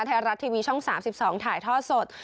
ไทยรัฐทีวีช่อง๓๒ถ่ายทอดสด